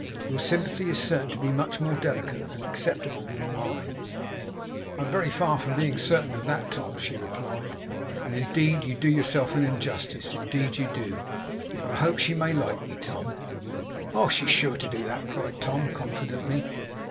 Your sympathy is certain to be much more delicate and acceptable than mine.' 'I am very far from being certain of that, Tom,' she replied; 'and indeed you do yourself an injustice. Indeed you do. But I hope she may like me, Tom.' 'Oh, she is sure to do that!' cried Tom, confidently.